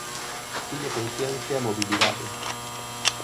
Tiña consciencia e mobilidade.